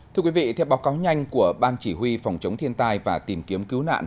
thưa quý vị theo báo cáo nhanh của ban chỉ huy phòng chống thiên tai và tìm kiếm cứu nạn